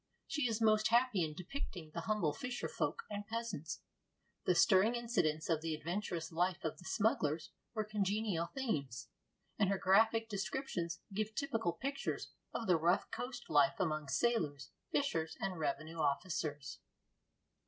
She is most happy in depicting the humble fisherfolk and peasants. The stirring incidents of the adventurous life of the smugglers were congenial themes, and her graphic descriptions give typical pictures of the rough coast life among sailors, fishers, and revenue officers.